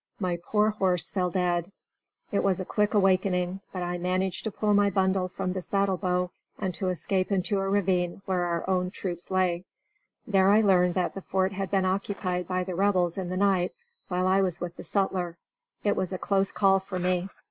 My poor horse fell dead. It was a quick awakening, but I managed to pull my bundle from the saddle bow and to escape into a ravine where our own troops lay. There I learned that the fort had been occupied by the Rebels in the night, while I was with the sutler. It was a close call for me.